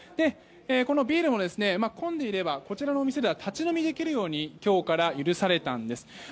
このビールも混んでいればこちらのお店では立ち飲みできるように今日から許されたんです。